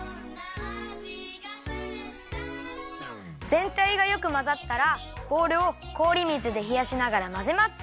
ぜんたいがよくまざったらボウルをこおり水でひやしながらまぜます。